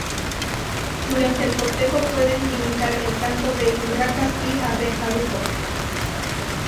Durante el cortejo pueden imitar el canto de urracas y abejarucos.